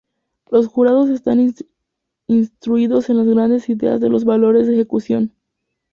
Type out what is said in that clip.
Los jurados están instruidos en las grandes ideas de los valores de ejecución.